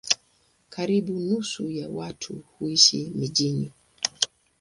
Karibu nusu ya watu huishi mijini.